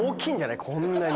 こんなに。